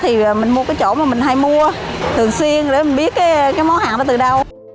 thì mình mua cái chỗ mà mình hay mua thường xuyên để mình biết cái món hàng đó từ đâu